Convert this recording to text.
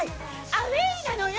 アウェーなのよ。